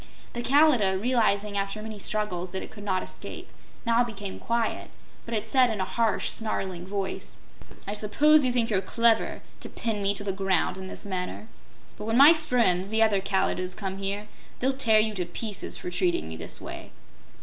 The Kalidah, realizing after many struggles that it could not escape, now became quiet, but it said in a harsh, snarling voice: "I suppose you think you're clever, to pin me to the ground in this manner. But when my friends, the other Kalidahs, come here, they'll tear you to pieces for treating me this way."